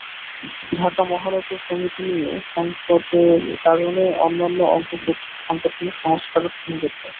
ঢাকা মহানগর কমিটি নিয়ে সংকটের কারণে অন্যান্য অঙ্গ সংগঠনের সংস্কারও থমকে গেছে।